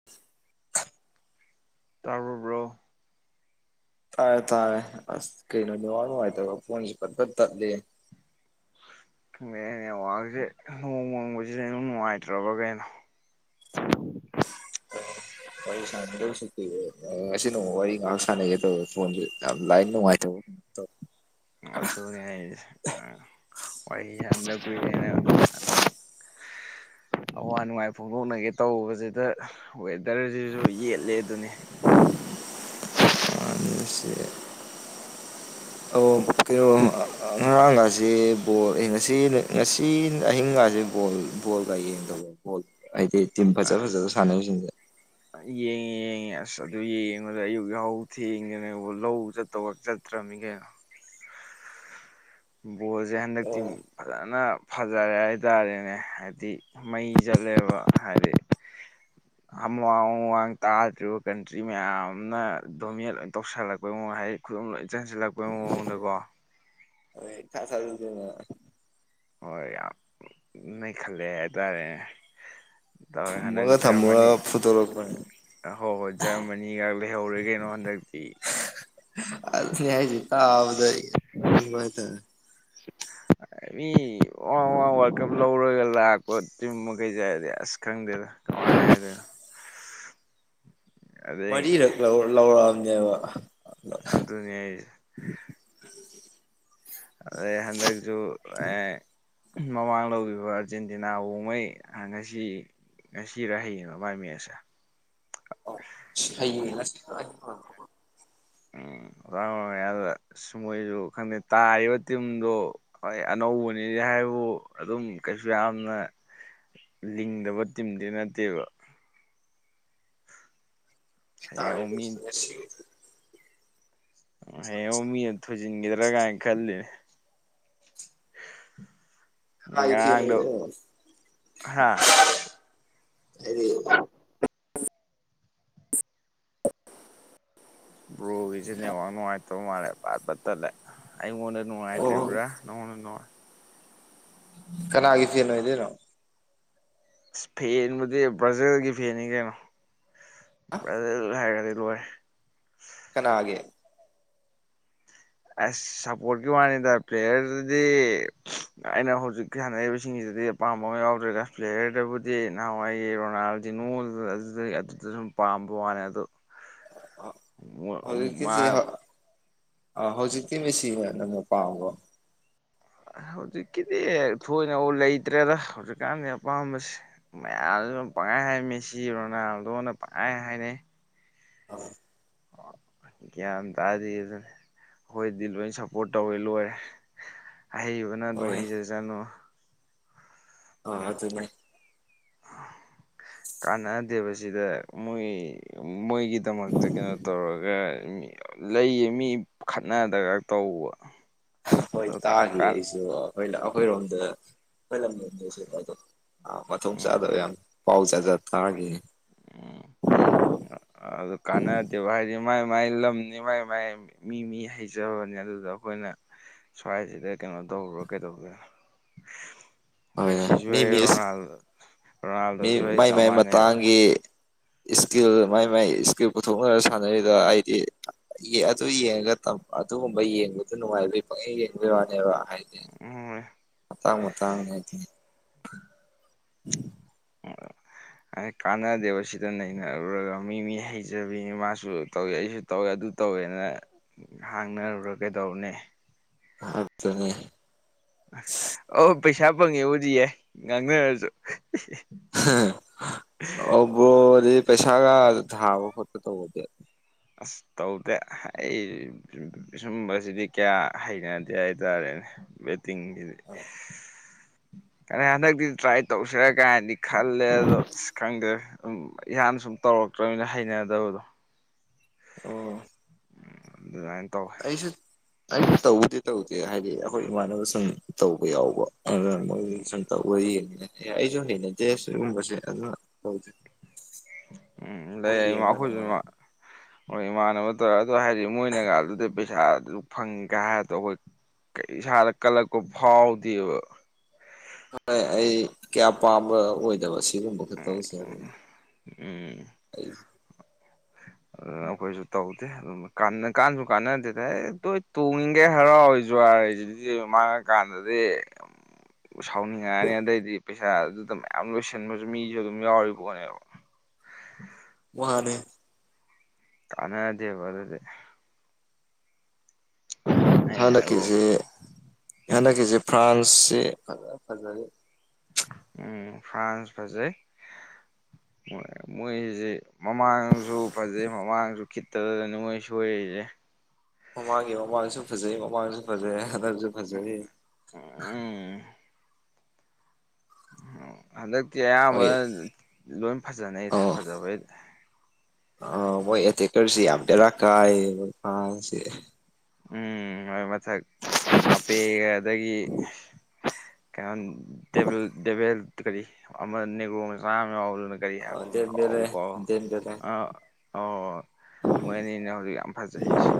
[inaudible] ꯇꯥꯕ꯭ꯔꯣ ꯕ꯭ꯔꯣ ꯇꯥꯔꯦ ꯇꯥꯔꯦ ꯑꯁ ꯀꯩꯅꯣ ꯅꯦꯠꯋꯥꯠ ꯅꯨꯡꯉꯥꯏꯇꯕ ꯐꯣꯟꯖꯦ ꯄꯠ ꯄꯠ ꯇꯠꯂꯦꯍꯦ ꯅꯦ ꯅꯦꯋꯥꯛꯖꯦ ꯅꯣꯡ ꯃꯪꯕꯖꯤꯗ ꯏꯅꯨꯡ ꯅꯨꯡꯉꯥꯏꯇ꯭ꯔꯕ ꯀꯩꯅꯣ ꯋꯥꯔꯤ ꯁꯥꯟꯅꯗꯧꯁꯨ ꯀꯨꯏꯔꯦ ꯑ ꯉꯁꯤ ꯅꯣꯡꯃ ꯋꯥꯔꯤ ꯉꯥꯏꯍꯥꯛ ꯁꯥꯟꯅꯒꯦ ꯇꯧꯕ ꯐꯣꯟꯖꯤ ꯌꯥꯝ ꯂꯥꯏꯟ ꯅꯨꯡꯉꯥꯏꯇꯕ ꯇꯧꯏ ꯑꯗꯨꯅꯦ ꯍꯥꯏꯖꯦ ꯋꯥꯔꯤ ꯁꯥꯅꯗꯕ ꯀꯨꯏꯔꯦꯅꯦ ꯑꯄꯡ ꯑꯋꯥ ꯅꯨꯡꯉꯥꯏ ꯐꯣꯡꯗꯣꯛꯅꯒꯦ ꯇꯧꯕꯖꯤꯗ ꯋꯦꯗ꯭ꯔꯖꯤꯖꯨ ꯌꯦꯠꯂꯦꯗꯨꯅꯤ ꯑ ꯅꯨꯡꯁꯤꯌꯦ ꯑꯣ ꯀꯩꯅꯣ ꯉꯔꯥꯡꯒꯥꯖꯦ ꯕꯣꯜ ꯑꯦ ꯉꯁꯤ ꯉꯁꯤ ꯑꯍꯤꯡꯒꯥꯖꯦ ꯕꯣꯜ ꯕꯣꯜꯒ ꯌꯦꯡꯗꯕꯣ ꯕꯣꯜ ꯍꯥꯏꯗꯤ ꯇꯤꯝ ꯐꯖ ꯐꯖꯕ ꯁꯥꯟꯅꯔꯤꯖꯤꯡꯖꯦ ꯑ ꯌꯦꯡꯉꯦ ꯌꯦꯡꯉꯦ ꯑꯁ ꯑꯗꯨ ꯌꯦꯡꯕꯗ ꯑꯌꯨꯛ ꯌꯥꯍꯧ ꯊꯦꯡꯒꯦꯅꯕ ꯂꯧ ꯆꯠ ꯇꯧꯒ꯭ꯔꯛ ꯆꯠꯇ꯭ꯔꯝꯃꯤ ꯀꯩꯅꯣ ꯕꯣꯜꯖꯦ ꯍꯟꯗꯛꯇꯤ ꯑꯣ ꯐꯖꯅ ꯐꯖꯔꯦ ꯍꯥꯏꯇꯥꯔꯦꯅꯦ ꯍꯥꯏꯕꯗꯤ ꯃꯩ ꯆꯠꯂꯦꯕ ꯍꯥꯏꯗꯤ ꯑꯝꯋꯥꯡ ꯑꯥꯋꯥꯡ ꯇꯥꯗ꯭ꯔꯤꯕ ꯀꯟꯇ꯭ꯔꯤ ꯃꯌꯥꯝꯅ ꯗꯣꯃꯤꯌꯦꯠ ꯂꯣꯏ ꯇꯧꯁꯜꯂꯛꯄꯩ ꯃꯑꯣꯡ ꯍꯩ ꯈꯨꯗꯨꯝ ꯂꯣꯏ ꯆꯟꯁꯤꯜꯂꯛꯄꯩ ꯃꯑꯣꯡꯗꯀꯣ ꯀꯩ ꯏꯊꯥ ꯊꯥꯖꯗꯅ ꯍꯣꯏ ꯌꯥꯝ ꯅꯩꯈꯠꯂꯛꯑꯦ ꯍꯥꯏꯇꯥꯔꯦ ꯐꯨꯝꯃꯒ ꯊꯝꯃꯨꯔꯒ ꯐꯨꯗꯣꯔꯛꯄ ꯍꯣꯏ ꯍꯣꯏ ꯖ꯭ꯔꯃꯅꯤꯒꯥꯛ ꯂꯩꯍꯧꯔꯦ ꯀꯩꯅꯣ ꯍꯟꯗꯛꯇꯤ ꯑꯗꯨꯅꯦ ꯍꯥꯏꯖꯦ ꯇꯥꯕꯗ ꯅꯣꯛꯅꯤꯡꯕ ꯍꯥꯏꯇꯥꯔꯦ ꯃꯤ ꯋꯥ ꯋꯥ ꯋꯥꯜ ꯀꯞ ꯂꯧꯔꯒ ꯂꯥꯛꯄ ꯇꯤꯝ ꯃꯈꯩꯖꯦ ꯍꯥꯏꯗꯤ ꯑꯁ ꯈꯪꯗꯦꯗ ꯀꯃꯥꯏ ꯍꯥꯏꯗꯣꯏꯅꯣ ꯑꯗꯩ ꯃꯔꯤꯔꯛ ꯂꯧ ꯂꯧꯔꯛꯑꯕꯅꯦꯕ ꯑꯗꯨꯅꯤ ꯍꯥꯏꯖꯦ ꯑꯗꯩ ꯍꯟꯗꯛꯁꯨ ꯑꯦ ꯃꯃꯥꯡ ꯂꯧꯈꯤꯕ ꯑꯥꯔꯖꯦꯟꯇꯤꯅꯥ ꯕꯣꯡꯃꯩ ꯉꯁꯤ ꯉꯁꯤ ꯔ ꯍꯩꯌꯦꯡꯔ ꯃꯥꯏ ꯃꯦꯁꯁꯦ꯫ ꯑꯣ [unintelligible] ꯎꯝ [unintelligible] ꯃꯣꯏꯁꯨ ꯈꯪꯗꯦ ꯇꯥꯔꯤꯕ ꯇꯤꯝꯗꯣ ꯍꯣꯏ ꯑꯅꯧꯕꯅꯤ ꯍꯥꯏꯕꯨ ꯑꯗꯨꯝ ꯀꯩꯁꯨ ꯌꯥꯝꯅ ꯂꯤꯡꯗꯕ ꯇꯤꯝꯗꯤ ꯅꯠꯇꯦꯕ꯫ ꯍꯌꯦꯡ ꯑꯃꯨꯛ ꯃꯤ [inaudible] ꯍꯌꯦꯡ ꯑꯃꯨꯛ ꯃꯤꯅ ꯊꯣꯏꯖꯤꯟꯒꯤꯗ꯭ꯔꯥ ꯀꯥꯏꯅ ꯈꯜꯂꯤꯅꯤ꯫ [unintelligible] ꯉꯔꯥꯡꯗꯣ ꯍꯥ [unintelligible] ꯕ꯭ꯔꯣꯒꯤꯁꯤ ꯅꯦꯠꯋꯥꯛ ꯅꯨꯡꯉꯥꯏꯇꯕ ꯃꯥꯜꯂꯦ ꯄꯠ ꯄꯠꯇꯠꯂꯦ꯫ ꯑꯩꯉꯣꯟꯗ ꯑꯣ ꯅꯨꯡꯉꯥꯏꯇ꯭ꯔꯤꯕ꯭ꯔꯥ ꯅꯉꯣꯟꯗ ꯅꯨꯡꯉꯥꯏ ꯀꯅꯥꯒꯤ ꯐꯦꯟ ꯑꯣꯏꯗꯣꯏꯅꯣ꯫ ꯑꯁ ꯐꯦꯟꯕꯨꯗꯤ ꯕ꯭ꯔꯥꯖꯤꯜꯒꯤ ꯐꯦꯟꯅꯤ ꯀꯩꯅꯣ ꯕ꯭ꯔꯥꯖꯤꯜ ꯍꯥꯏꯔꯒꯗꯤ ꯂꯣꯏꯔꯦ꯫ ꯀꯅꯥꯒꯤ꯫ ꯑꯁ ꯁꯞꯄꯣꯔꯠꯀꯤ ꯋꯥꯅꯤꯗ ꯄ꯭ꯂꯦꯌꯔꯗꯨꯗꯤ ꯑꯩꯅ ꯍꯧꯖꯤꯛ ꯍꯧꯖꯤꯛꯀꯤ ꯁꯥꯟꯅꯔꯤꯕꯁꯤꯡꯁꯤꯗꯗꯤ ꯑꯄꯥꯝꯕ ꯑꯃ ꯌꯥꯎꯗ꯭ꯔꯦ ꯄ꯭ꯂꯦꯌꯔꯗꯕꯨꯗꯤ ꯅꯍꯥꯟꯋꯥꯏ ꯔꯣꯅꯥꯜꯗꯤꯅꯨ ꯑꯗꯨꯗ ꯑꯗꯨꯗ ꯁꯨꯝ ꯄꯥꯝꯕꯣ ꯋꯥꯅꯦ ꯑꯗꯨ ꯑ ꯍꯧꯖꯤ ꯃꯥ ꯀꯁꯤꯍꯥ ꯑ ꯍꯧꯖꯤꯛꯇꯤ ꯃꯦꯁꯤꯅ ꯅꯝꯅ ꯄꯥꯝꯕꯣ ꯑꯁ ꯍꯧꯖꯤꯛꯀꯤꯗꯤ ꯊꯣꯏꯅ ꯂꯩꯇ꯭ꯔꯦꯗ ꯍꯧꯖꯤꯛꯀꯥꯟꯗꯤ ꯑꯄꯥꯝꯕꯁꯤ꯫ ꯃꯌꯥꯝꯁꯨ ꯄꯪꯍꯥꯏ ꯍꯥꯏ ꯃꯦꯁꯤ ꯔꯣꯅꯥꯜꯗꯣꯅ ꯄꯪꯍꯥꯏ ꯍꯥꯏꯅꯩ꯫ ꯑ꯫ ꯒꯌꯥꯟ ꯇꯥꯗꯦ ꯗꯨꯅꯦ꯫ ꯑꯩꯈꯣꯏꯗꯤ ꯂꯣꯏ ꯁꯞꯄꯣꯔꯠ ꯇꯧꯋꯦ ꯂꯣꯏꯔꯦ ꯑꯍꯩꯕꯅ ꯑꯗꯨꯝ ꯍꯣꯏ ꯍꯩꯖꯁꯅꯨ꯫ ꯑꯣ ꯑꯗꯨꯅꯦ꯫ ꯀꯥꯟꯅꯗꯦꯕꯁꯤꯗ ꯃꯣꯏ ꯃꯣꯏꯒꯤꯗꯃꯛꯇ ꯀꯩꯅꯣ ꯇꯧꯔꯒ ꯂꯩꯌꯦ ꯃꯤ ꯈꯠꯅꯗꯒ ꯇꯧꯕ [unintelligible] ꯍꯣꯏ ꯇꯥꯈꯤ ꯀꯥ ꯑꯩꯁꯨ ꯑꯩꯈꯣꯏ ꯑꯩꯈꯣꯏꯔꯣꯝꯗ ꯑꯩꯈꯣꯏ ꯂꯝꯂꯣꯝꯗꯁꯨ ꯑꯗꯣ꯫ ꯑꯥ ꯃꯊꯣꯡ ꯎꯝ ꯆꯥꯗꯕ ꯌꯥꯝ ꯄꯥꯎ ꯆꯥꯖ ꯊꯥꯈꯤ꯫ ꯎꯝ ꯑꯗꯨ ꯀꯥꯟꯅꯗꯦꯕ ꯍꯥꯏꯗꯤ ꯃꯥꯏ ꯃꯥꯥꯏꯜꯂ ꯂꯝꯂꯝꯅꯤ ꯃꯥꯏ ꯃꯥꯏ ꯃꯤ ꯃꯤ ꯍꯩꯖꯕꯅꯤ ꯑꯗꯨꯗ ꯑꯩꯈꯣꯏꯅ ꯁ꯭ꯋꯥꯏꯁꯤꯗ ꯀꯩꯅꯣ ꯇꯧꯔꯨꯔ ꯀꯩꯗꯧꯗꯣꯏꯅꯣ꯫ ꯍꯣꯏ ꯃꯦꯁꯤꯁꯨ ꯃꯤ ꯍꯩ ꯃꯤ ꯔꯣꯅꯥꯜꯗ ꯔꯣꯅꯥꯜꯗꯣꯁꯨ ꯍꯩ ꯆꯞ ꯃꯥꯟꯅꯩꯕ꯫ ꯒꯤ꯫ ꯏꯁꯀꯤꯜ ꯃꯥꯏ ꯃꯥꯏ ꯏꯁꯀꯤꯜ ꯄꯨꯊꯣꯛꯅꯔ ꯁꯥꯟꯅꯔꯤꯗ ꯑꯩꯗꯤ ꯑꯗꯨ ꯌꯦꯡꯉꯒ ꯑꯗꯨꯒꯨꯝꯕ ꯌꯦꯡꯕꯗꯨ ꯅꯨꯡꯉꯥꯏꯕꯩ ꯄꯪꯡ ꯌꯦꯡꯕꯩ ꯋꯥꯅꯦꯕ ꯍꯥꯏꯗꯤ [unintelligible] ꯃꯇꯥꯡ ꯃꯇꯥꯡꯅꯦ ꯍꯥꯏꯇꯔꯦ꯫ ꯎꯝ [unintelligible] ꯍꯥꯏ ꯀꯥꯟꯅꯗꯦꯕ ꯁꯤꯗ ꯅꯩꯅꯔꯨꯔꯒ ꯃꯤ ꯃꯤ ꯍꯩꯖꯕꯤꯅꯤ ꯃꯥꯁꯨ ꯇꯧꯋꯤ ꯑꯩꯁꯨ ꯇꯧꯋꯦ ꯑꯗꯨ ꯇꯧꯋꯦꯅ ꯍꯥꯡꯅꯔꯨꯔ ꯀꯩꯗꯧꯕꯅꯤ꯫ ꯑꯗꯨꯅꯤ꯫ ꯑꯣ ꯄꯩꯁꯥ ꯐꯪꯉꯦꯕꯨꯗꯤ ꯌꯥꯏ ꯉꯥꯡꯅꯔꯁꯨ꯫ ꯑꯣ ꯕꯣꯔꯗꯤ ꯄꯩꯁꯥꯒ ꯊꯕ ꯈꯣꯠꯄ ꯇꯧꯕꯗꯤ꯫ ꯑꯁ ꯇꯧꯗꯦ ꯑꯩ ꯁꯨꯝꯕꯁꯤꯗꯤ ꯀꯌꯥ ꯍꯩꯅꯗꯦ ꯍꯥꯏꯇꯥꯔꯦꯅꯦ ꯇꯤꯡꯒꯤꯗꯤ ꯑ ꯍꯟꯗꯛꯇꯤ ꯇ꯭ꯔꯥꯏ ꯇꯧꯁꯤꯔꯀꯥꯏꯗꯤ ꯈꯜꯂꯦ ꯑꯗꯣ ꯑꯁ ꯈꯪꯗꯦ ꯑꯗꯨꯝ ꯏꯍꯥꯟ ꯁꯨꯝ ꯇꯧꯔꯛꯇ꯭ꯔꯕꯅꯤꯅ ꯍꯩꯅꯗꯕꯗꯣ꯫ ꯑꯣ ꯎꯝ ꯑꯗꯨꯃꯥꯏ ꯇꯧ ꯑꯩꯁꯨ ꯑꯁꯨ ꯇꯧꯕꯗꯤ ꯇꯧꯗꯦ ꯍꯥꯏꯗꯤ ꯑꯩꯈꯣꯏ ꯏꯃꯥꯟꯅꯕ ꯁꯨꯝ ꯇꯧꯕ ꯌꯥꯎꯕ ꯑꯗ ꯃꯣꯏ ꯁꯨꯝ ꯇꯧꯕ ꯌꯦꯡꯉꯤꯅ‌ꯦ ꯑꯦ ꯑꯩꯁꯨ ꯍꯩꯅꯗꯦ ꯁꯤꯒꯨꯝꯕꯁꯦ ꯑꯗꯨꯅ ꯇꯧꯗ‌ꯦ ꯎꯝ ꯂꯩ ꯃꯥꯈꯣꯏꯁꯨ ꯃ ꯍꯣꯏ ꯏꯃꯥꯟꯅꯕ ꯇꯧꯔꯦ ꯑꯗꯣ ꯍꯥꯏꯗꯤ ꯃꯣꯏꯅꯒ ꯑꯗꯨꯗ ꯄꯩꯁꯥ ꯑꯗꯨ ꯐꯪꯉꯤꯒ ꯍꯥꯏ ꯇꯧ ꯀꯩ ꯏꯁꯥꯗ ꯀꯜꯂꯛꯄ ꯐꯥꯎꯗꯦꯕ ꯍꯣꯏ ꯑꯩ ꯀꯌꯥ ꯄꯥꯝꯕ ꯑꯣꯏꯗꯕ ꯁꯤꯒꯨꯝꯕ ꯈꯨꯇꯧꯁꯦ ꯑꯗꯨꯅ ꯎꯝ ꯑꯩ ꯑꯗꯨꯅ ꯑꯩꯈꯣꯏꯁꯨ ꯇꯧꯗꯦ ꯀ ꯀꯥꯟꯁꯨ ꯀꯥꯟꯅꯗꯦꯗ ꯍ‌ꯦ ꯂꯣꯏ ꯇꯣꯡꯉꯤꯒꯩ ꯍꯔꯥꯎꯋꯤꯖꯨ ꯍꯥꯏ ꯁꯤꯗꯤ ꯃꯥꯡ ꯀꯥꯟꯗꯗꯤ ꯁꯥꯎꯅꯤꯡꯉꯛꯑꯅꯤ ꯑꯗꯩꯗꯤ ꯄꯩꯁꯥ ꯑꯗꯨꯗ ꯃꯌꯥꯝ ꯂꯣꯏꯁꯤꯟꯕꯁꯨ ꯃꯤꯁꯨ ꯑꯗꯨꯝ ꯌꯥꯎꯔꯤ ꯄ‌ꯣꯠꯅꯦꯕ ꯋꯥꯅ‌ꯦ ꯀꯥꯟꯅꯗ‌ꯦꯕ ꯑꯗꯨꯗꯤ ꯑꯩ ꯍꯟꯗꯛꯀꯤꯁꯤ ꯍꯟꯗꯛꯀꯤꯁꯤ ꯐ꯭ꯔꯥꯟꯁꯁꯤ ꯐꯖ ꯐꯖꯔꯤ ꯎꯝ ꯐ꯭ꯔꯥꯟꯁ ꯐꯖ‌ꯩ ꯃ‌ꯣꯏ ꯃꯣꯏꯁꯤ ꯃꯃꯥꯡꯁꯨ ꯐꯖꯩ ꯃꯃꯥꯡꯁꯨ ꯈꯤꯠꯇꯗꯗꯅ‌ꯦ ꯃꯣꯏ ꯁꯣꯏꯔꯤꯁꯦ ꯃꯃꯥꯡꯒꯤ ꯃꯃꯥꯡꯁꯨ ꯐꯖꯩ ꯃꯃꯥꯡꯗꯁꯨ ꯐꯖꯩ ꯍꯟꯗꯛꯁꯨ ꯐꯖꯔꯤ ꯎꯝ ꯍꯟꯗꯛꯇꯤ ꯃꯣꯏ ꯑꯌꯥꯝꯕꯅ ꯂꯣꯏ ꯐꯖꯅꯩ ꯑꯣ ꯐꯖꯕꯩꯗꯤ ꯑ ꯃꯣꯏ ꯑꯦꯇꯦꯛꯀꯔꯁꯤ ꯌꯥꯝ ꯕ‌ꯦꯔꯥ ꯀꯥꯏꯌ‌ꯦꯕ ꯐ꯭ꯔꯥꯁꯁꯤ ꯎꯝ ꯍꯣꯏ ꯃꯊꯛ ꯃꯥꯄꯦ ꯑꯗꯒꯤ ꯀꯩꯅꯣ ꯗ‌ꯦꯕꯤꯜ ꯗꯦꯕꯦꯜ ꯀꯔꯤ ꯑꯃ ꯅꯦꯒ꯭ꯔꯣ ꯃꯆꯥꯝ ꯌꯥꯎꯕꯗꯨꯟ ꯀꯔꯤ ꯍꯥꯏꯕ ꯑ ꯃꯃꯤꯡ ꯗꯦꯝꯕꯦꯂꯦ ꯀꯥꯎꯕꯨ ꯀꯥꯎ ꯗꯦꯝꯕꯦꯂꯦ ꯑ ꯑꯣ ꯃꯣꯏꯅꯤꯅꯦ ꯍꯧꯖꯤꯛ ꯌꯥꯝ ꯐꯖꯩꯁꯦ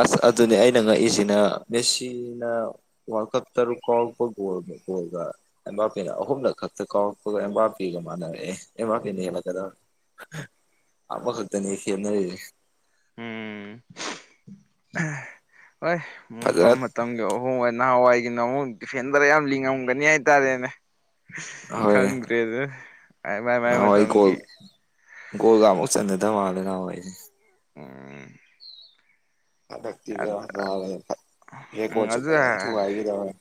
ꯑꯁ ꯑꯗꯨꯅꯦ ꯑꯩꯅ ꯉꯛꯏꯁꯤꯅ ꯃꯦꯁꯤꯅ ꯋꯥꯔꯜ ꯀꯞ ꯇꯔꯨꯛ ꯒ‌ꯣꯜ ꯒ ꯕ‌ꯣꯜꯒ ꯑꯦꯝꯕꯥꯄ‌ꯦꯅ ꯑꯍꯨꯝꯂꯛꯈꯛꯇ ꯀꯥꯎꯔꯛꯄꯒ ꯑꯦꯝ ꯕꯥꯄ‌ꯦꯒ ꯃꯥꯟꯅꯔꯛꯑꯦ ꯑ‌ꯦꯝꯕꯥꯄ‌‌ꯦꯅ ꯍꯦꯟꯅꯀꯗꯧꯔ ꯑꯈꯛꯇꯅꯤ ꯈ‌ꯦꯠꯅꯔꯤꯁ‌ꯦ ꯎꯝ ꯍꯣꯏ ꯃꯇꯝ ꯐꯖ ꯃꯇꯝꯒꯤ ꯑꯣꯏ ꯑꯍꯣꯡ ꯍ ꯅꯍꯥꯟꯋꯥꯏꯒꯤꯅ ꯑꯃꯨꯛ ꯗꯤꯐꯦꯟꯗꯔ ꯌꯥꯝ ꯂꯤꯡꯉꯝꯒꯅꯤ ꯍꯥꯏꯇꯥꯔꯦꯅꯦ ꯍꯣꯏ ꯈꯪ [unintelligible] ꯅꯍꯥꯟꯋꯥꯏ ꯒꯣꯜ ꯒꯣꯜꯒꯃꯨꯛ ꯆꯟꯅꯗꯕ ꯃꯥꯜꯂꯦ ꯅꯍꯥꯟꯋꯥꯏꯁꯦ ꯑꯣꯝ ꯍꯟꯗꯛꯇꯤꯗ [unintelligible] ꯎꯝ ꯍ‌ꯣꯔꯦꯀꯣꯔꯠꯁꯨ ꯐꯖꯅ ꯊꯨꯒꯥꯏꯈꯤꯗꯧꯔꯦ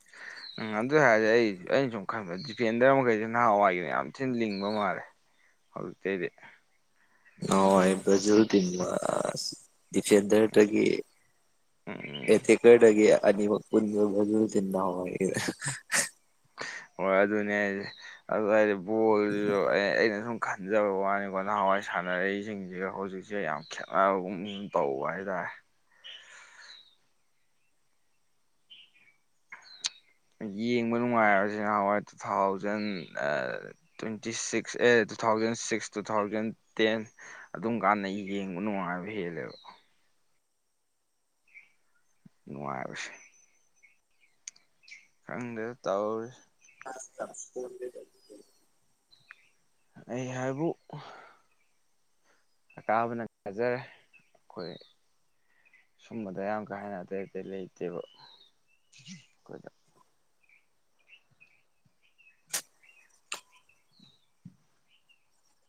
[unintelligible] ꯎꯪ ꯑꯗꯨꯏ ꯍꯥꯏꯔꯗꯤ ꯑꯩ ꯑꯩꯅ ꯁꯨꯝ ꯈꯟꯕ ꯗꯤꯐꯦꯟꯗꯔ ꯃꯈꯩꯁꯦ ꯅꯍꯥꯟꯋꯥꯏꯒꯤꯅ ꯌꯥꯝ ꯊꯤꯅ ꯂꯤꯡꯕ ꯃꯥꯜꯂꯦ ꯍꯧꯖꯤꯛꯇꯩꯗꯤ ꯍ‌ꯣꯏ ꯕ꯭ꯔꯖꯤ ꯇꯤꯝꯗ‌ꯣ ꯗꯤꯐꯦꯟꯗꯔꯒꯤ ꯎꯝ ꯑ‌ꯦꯇ‌ꯦꯛꯀꯔꯗꯒꯤ ꯑꯅꯤ ꯃꯛ ꯄꯨꯟꯕ ꯃꯅꯨꯡꯗ ꯅꯥꯎꯔ‌ꯦ ꯍꯣꯏ ꯑꯗꯨꯅꯦ ꯍꯥꯏꯖ ꯑꯗꯨ ꯂꯥꯏꯔꯤ ꯕꯣꯜꯁꯨ ꯑꯩꯅ ꯁꯨꯝ ꯈꯟꯖꯕ ꯋꯥꯅꯤꯀꯣ ꯅꯍꯥꯟꯋꯥꯏ ꯁꯥꯟꯅꯔꯛꯏꯁꯤꯡꯁꯤꯒ ꯍꯧꯖꯤꯛꯁꯦ ꯌꯥꯝ ꯈꯦꯠꯅꯕꯒꯨꯝ ꯇꯧꯕ ꯍꯥꯏꯇꯥꯔꯦ ꯌꯦꯡꯕ ꯅꯨꯡꯉꯥꯏꯕꯁꯤ ꯅꯍꯥꯟꯋꯥꯏ ꯇꯨ ꯊꯥꯎꯖꯟ ꯇ꯭ꯋꯦꯟꯇꯤ ꯁꯤꯛꯁ ꯑꯦ two thousand six two thousand ten ꯑꯗꯨꯝ ꯀꯥꯟꯗ ꯌꯦꯡꯕ ꯅꯨꯡꯉꯥꯏꯕ ꯍꯦꯜꯂꯦꯕ ꯅꯨꯡꯉꯥꯏꯕꯁꯦ ꯈꯪꯗꯦ ꯇꯥꯎꯔꯤꯁ [inaudible] ꯑꯩ ꯍꯥꯏꯕꯨ ꯑꯀꯥꯕꯅ ꯊꯥꯖꯔꯦ ꯑꯩꯈꯣꯏ ꯁꯨꯝꯕꯗ ꯌꯥꯝ ꯀꯥ ꯍꯦꯟꯅ ꯑꯇꯩ ꯑꯇꯩ ꯂꯩꯇꯦꯕ ꯑꯩꯈꯣꯏꯗ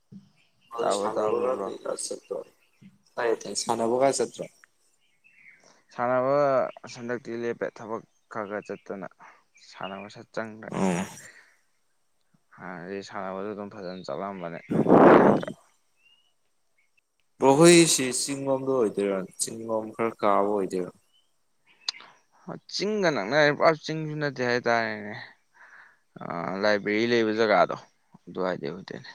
[inaudible] ꯃꯥ ꯇꯥꯕ꯭ꯔꯣ ꯁꯥꯟꯕꯨꯒ ꯕ꯭ꯔꯣ ꯁ꯭ꯔꯣ ꯀꯥꯏ ꯇ ꯁꯅꯕꯨꯣꯒ ꯁꯠꯇꯔ ꯁꯥꯟꯅꯕ ꯍꯟꯗꯛꯇꯤ ꯂꯦꯞꯄꯦ ꯊꯕꯛ ꯈꯔ ꯈꯔ ꯆꯠꯇꯨꯅ ꯁꯥꯟꯅꯕꯁꯦ ꯆꯪꯗ꯭ꯔꯦ꯫ ꯎꯝ ꯍꯥꯟꯅꯗꯤ ꯁꯥꯟꯅꯕꯗꯨ ꯑꯗꯨꯝ ꯐꯖꯅ ꯆꯠꯂꯝꯕꯅꯦ ꯍꯟꯗꯛꯇꯤ ꯌꯥꯗ꯭ꯔꯥ꯫ ꯕꯍꯣꯏꯁꯤ ꯆꯤꯡꯂꯣꯝꯗ ꯑꯣꯏꯗꯣꯏꯔ ꯆꯤꯡꯂꯣꯝ ꯈꯔ ꯀꯥꯕ ꯑꯣꯏꯗꯣꯏꯔ ꯆꯤꯡꯒ ꯅꯛꯅꯔꯤꯕꯦ ꯄꯨ꯭ꯔꯥ ꯆꯤꯡꯁꯨ ꯅꯠꯇꯦ ꯍꯥꯏꯇꯥꯔꯦꯅꯦ꯫ ꯑ ꯂꯥꯏꯕ꯭ꯔꯦꯔꯤ ꯂꯩꯕ ꯖꯒꯥꯗꯣ ꯑꯗꯨꯋꯥꯗꯤꯩ ꯑꯣꯏꯗꯅꯦ꯫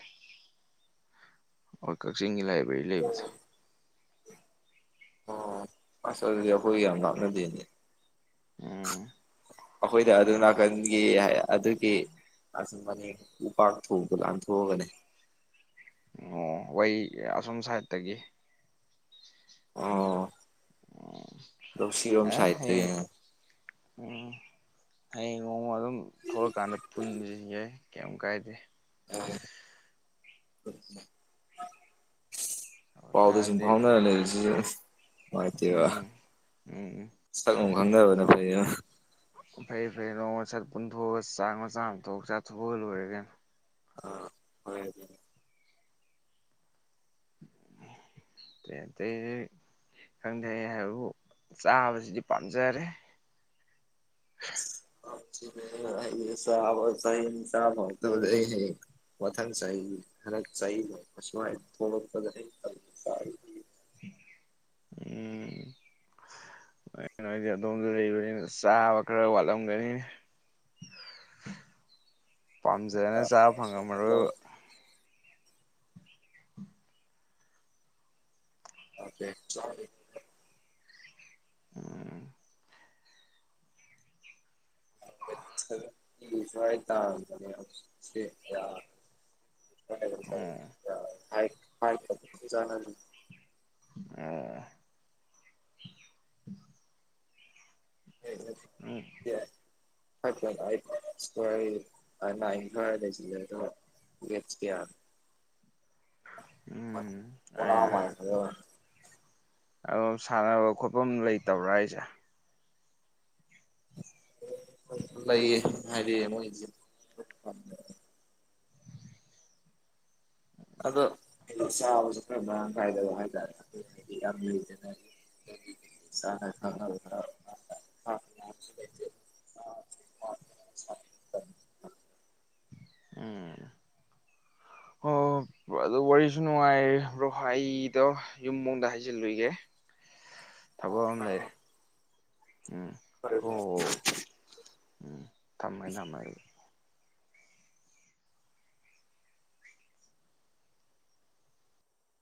ꯍꯣꯏ ꯀꯛꯆꯤꯡꯒꯤ ꯂꯥꯏꯕ꯭ꯔꯦꯔꯤ ꯂꯩꯕꯗꯣ꯫ ꯑꯣ ꯑꯁ ꯑꯗꯨꯗꯤ ꯑꯩꯈꯣꯏꯒ ꯌꯥꯝ ꯂꯥꯞꯅꯗꯦꯅꯦ꯫ ꯎꯝ ꯑꯩꯈꯣꯏꯗ ꯑꯗꯨ ꯅꯥꯀꯟꯒꯤ ꯑꯗꯨꯒꯤ ꯑꯁꯨꯝꯕꯅꯦ ꯎꯄꯥꯛ ꯊꯣꯡꯗꯣ ꯂꯥꯟꯊꯣꯛꯑꯒꯅꯦ꯫ ꯑꯣ ꯋꯩ ꯑꯁꯣꯝ ꯁꯥꯏꯠꯇꯒꯤ ꯑꯣ ꯎꯝ ꯑꯗꯣ ꯁꯤꯔꯣꯝ ꯑꯦ ꯍꯌꯦꯡ ꯁꯥꯏꯠꯇꯒꯤ ꯎꯝ ꯍꯌꯦꯡ ꯅꯣꯡꯃ ꯑꯗꯨꯝ ꯊꯣꯛꯂꯀꯥꯟꯗ ꯄꯨꯟꯖꯤ ꯌꯥꯏ ꯀꯌꯤꯝ ꯀꯥꯏꯗꯦ꯫ [inaudible] ꯄꯥꯎꯗꯤ ꯁꯨꯝ ꯅꯍꯥꯟꯗꯤ ꯐꯥꯎꯅꯥ ꯂꯩꯔꯁꯤ ꯅꯨꯡꯉꯥꯏꯇꯦꯕ ꯎꯝ ꯎꯝ ꯁꯛꯅꯨꯡ ꯈꯪꯅꯕꯅ ꯐꯩꯕ ꯐꯩꯌꯦ ꯐꯩꯌꯦ ꯅꯣꯡꯃ ꯁꯠ ꯄꯨꯟꯊꯣꯛꯑꯒ ꯆꯥꯛ ꯃꯆꯥ ꯑꯃ ꯊꯣꯛ ꯆꯥꯊꯣꯛꯑꯒ ꯂꯣꯏꯔꯦ ꯀꯩꯅꯣ꯫ ꯑ ꯍꯣꯏ [inaudible] ꯑꯇꯩ ꯑꯇꯩꯗꯤ ꯈꯪꯗꯦꯍꯦ ꯍꯥꯏꯕꯨ ꯆꯥꯕꯁꯤꯗꯤ ꯄꯥꯝꯖꯔꯦ꯫ [inaudible] [unintelligible] ꯑꯩ ꯍꯌꯦꯡ ꯃꯊꯪ ꯆꯍꯤꯗꯤ ꯈꯔ ꯆꯌꯦꯠꯅꯩꯕ ꯁ꯭ꯋꯥꯏ ꯊꯣꯛꯂꯛꯄꯗ ꯑꯩ [unintelligible] ꯎꯝ ꯅꯣꯏꯗꯤ ꯑꯗꯣꯝꯗ ꯂꯩꯕꯅꯤꯅ ꯆꯥꯕ ꯈꯔ ꯋꯥꯠꯂꯝꯒꯅꯤꯅꯦ꯫ ꯄꯥꯝꯖꯅ ꯆꯥꯕ ꯐꯪꯉꯝꯃꯔꯣꯏꯕ꯫ ꯆꯥꯗꯦ꯫ ꯎꯝ ꯋꯦꯠ ꯁꯕꯦꯟꯇꯤ ꯁ꯭ꯋꯥꯏ ꯇꯥꯕꯅꯦ ꯍꯧꯖꯤꯛꯇꯤ ꯌꯥꯗ꯭ꯔꯦ꯫ ꯎꯝ [unintelligible] ꯑꯣ [inaudible] ꯎꯝ ꯐꯥꯏꯚ ꯄꯣꯏꯟ ꯑꯥꯏꯠ ꯁ꯭ꯋꯥꯏ ꯑ ꯅꯥꯏꯟ ꯁ꯭ꯋꯥꯏ ꯂꯩꯁꯤꯜꯂꯦ ꯑꯗꯨꯒ ꯋꯦꯠ ꯀꯌꯥ ꯎꯝ ꯑꯦ [unintelligible] ꯑꯗꯣ ꯁꯥꯟꯅꯕ ꯈꯣꯠꯄꯝ ꯂꯩꯇꯕ꯭ꯔꯥ ꯍꯥꯏꯖꯦ꯫ ꯂꯩꯌꯦ ꯍꯥꯏꯗꯤ ꯃꯣꯏꯖꯦ ꯑꯗꯣ ꯆꯥꯕꯁꯨ ꯈꯔ ꯃꯔꯥꯡ ꯀꯥꯏꯗꯕ ꯍꯥꯏꯇꯥꯔꯦ ꯑꯗꯨꯗꯤ ꯌꯥꯝ ꯂꯩꯗ ꯆꯥꯅ ꯊꯛꯅꯕ ꯈꯔ ꯃꯔꯥꯡ ꯎꯝ ꯍꯣꯞ ꯑꯗꯨ ꯋꯥꯔꯤꯁꯨ ꯅꯨꯡꯉꯥꯏꯔꯤ ꯕ꯭ꯔꯣ ꯑꯩꯗꯣ ꯌꯨꯝ ꯕꯥꯎꯗ ꯍꯥꯏꯖꯤꯜꯂꯨꯏꯒꯦ꯫ ꯊꯕꯛ ꯑꯃ ꯂꯩꯔꯦ ꯎꯝ ꯍꯣ ꯍꯣ ꯐꯔꯦ꯫ ꯎꯝ ꯊꯝꯃꯒꯦ ꯊꯝꯃꯒꯦ꯫